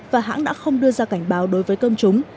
và hãng đã không đưa ra cảnh báo đối với công chúng